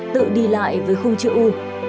tự đi lại với khung chữ u